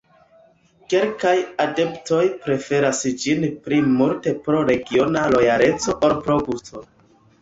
Kelkaj adeptoj preferas ĝin pli multe pro regiona lojaleco ol pro gusto.